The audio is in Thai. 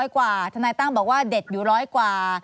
กว่าทนายตั้มบอกว่าเด็ดอยู่ร้อยกว่า